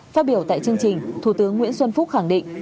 phát biểu tại chương trình thủ tướng nguyễn xuân phúc khẳng định